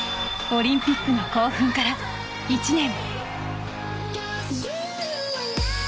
オリンピックの興奮から１年。